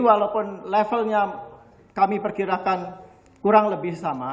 walaupun levelnya kami perkirakan kurang lebih sama